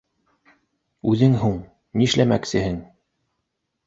Үҙең һуң... нишләмәксеһең?